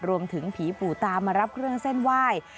รวมถึงผีปู่ตามารับเครื่องเส้นไหว้